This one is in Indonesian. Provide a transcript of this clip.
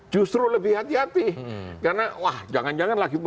justru lebih hati hati karena wah jangan jangan lagi